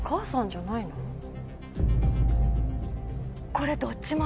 これ。